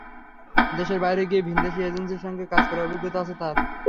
দেশের বাইরে গিয়ে ভিনদেশি এজেন্সির সঙ্গে কাজ করার অভিজ্ঞতাও আছে তাঁর।